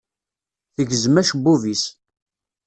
Tegzem acebbub-is.